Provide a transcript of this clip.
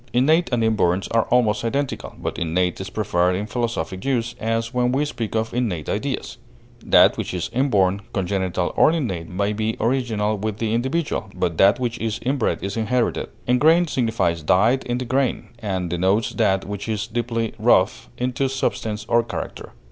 Innate and inborn are almost identical, but innate is preferred in philosophic use, as when we speak of innate ideas; that which is inborn, congenital, or innate may be original with the individual, but that which is inbred is inherited. Ingrained signifies dyed in the grain, and denotes that which is deeply wrought into substance or character.